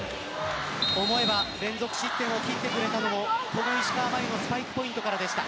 思えば連続失点を切ってくれたのもこの石川真佑のサーブポイントからでした。